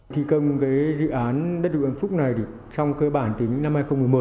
thi công cái dự án đất dụng ẩm phúc này thì trong cơ bản thì những năm hai nghìn một mươi một